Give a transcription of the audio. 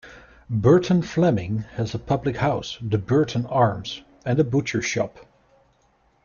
Burton Fleming has a public house, the Burton Arms, and a butcher's shop.